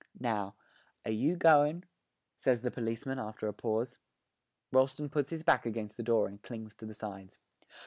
'Now, are you goin'?' says the policeman after a pause. Rolleston puts his back against the door and clings to the sides.